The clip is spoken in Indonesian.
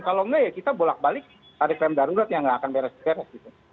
kalau enggak ya kita bolak balik tarif rem darurat yang nggak akan beres beres gitu